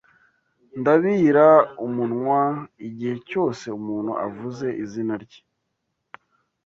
Ndabira umunwa igihe cyose umuntu avuze izina rye.